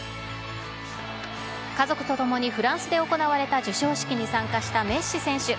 家族と共にフランスで行われた授賞式に参加したメッシ選手。